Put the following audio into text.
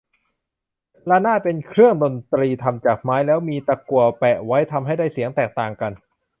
ระนาด เป็นเครื่องดนตรีทำจากไม้ แล้วมีตะกั่วแปะไว้ ทำให้ได้เสียงแตกต่างกัน